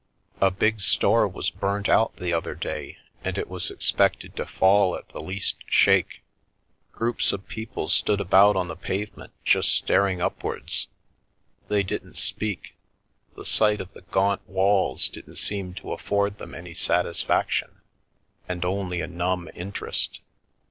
A big store was burnt out the other day, and it was expected to fall at the least shake. Groups of people stood about on the pavement, just star ing upwards. They didn't speak ; the sight of the gaunt walls didn't seem to afford them any satisfaction, and only a numb interest.